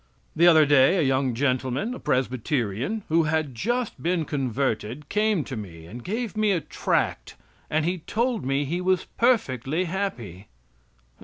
The other day a young gentleman, a Presbyterian, who had just been converted, came to me and gave me a tract and he told me he was perfectly happy.